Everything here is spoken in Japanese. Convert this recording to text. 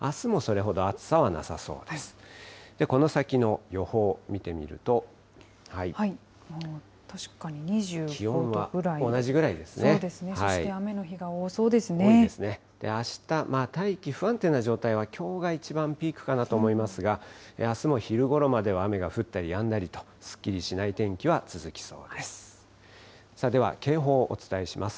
そうですね、そして雨の日があした、大気不安定な状態は、きょうが一番ピークかなと思いますが、あすも昼ごろまでは雨が降ったりやんだりと、すっきりしない天気は続きそうです。